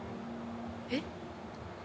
えっ？